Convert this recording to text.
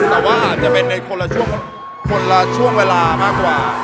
แต่ว่าอาจจะเป็นในคนละคนละช่วงเวลามากกว่า